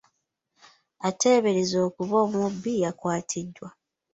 Ateeberezebwa okuba omubbi yakwatiddwa.